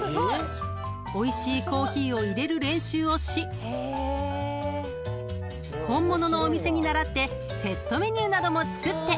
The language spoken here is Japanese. ［おいしいコーヒーを入れる練習をし本物のお店に倣ってセットメニューなども作って］